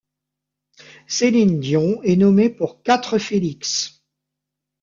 Céline Dion est nommée pour quatre Félix.